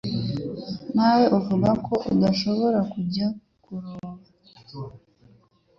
Ntawe uvuga ko udashobora kujya kuroba